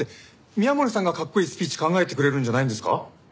宮森さんがかっこいいスピーチ考えてくれるんじゃないんですか？